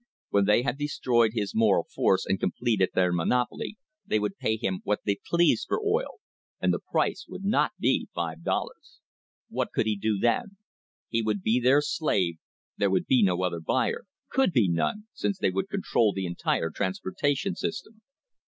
When they had destroyed his moral force and completed their monopoly they .would pay him what they pleased for oil, and the price would "AN UNHOLY ALLIANCE" not be five dollars! What could he do then? He would be P their slave, there would be no other buyer — could be none, since they would control the entire transportation system.